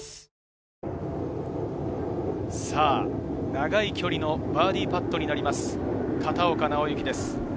長い距離のバーディーパットになります、片岡尚之です。